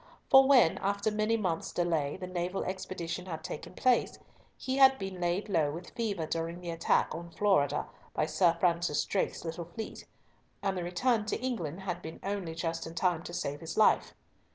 For when, after many months' delay, the naval expedition had taken place, he had been laid low with fever during the attack on Florida by Sir Francis Drake's little fleet; and the return to England had been only just in time to save his life.